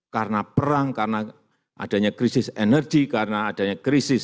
karena perang karena adanya krisis energi karena adanya krisis